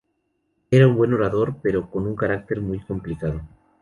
Era un buen orador, pero con un carácter muy complicado.